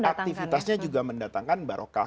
aktifitasnya juga mendatangkan barokah